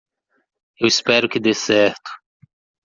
Eu espero que dê certo.